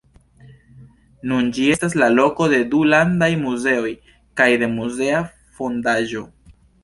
Nun ĝi estas la loko de du landaj muzeoj, kaj de muzea fondaĵo.